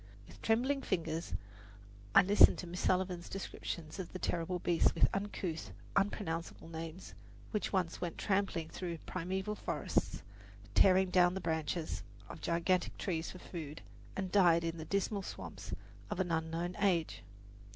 With trembling fingers I listened to Miss Sullivan's descriptions of the terrible beasts, with uncouth, unpronounceable names, which once went tramping through the primeval forests, tearing down the branches of gigantic trees for food, and died in the dismal swamps of an unknown age.